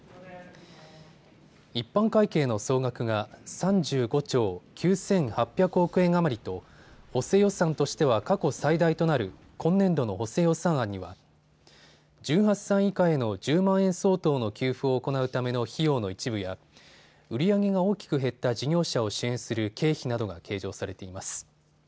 一般会計の総額が３５兆９８００億円余りと補正予算としては過去最大となる今年度の補正予算案には１８歳以下への１０万円相当の給付を行うための費用の一部や売り上げが大きく減った事業者を支援する経費などが計上されています。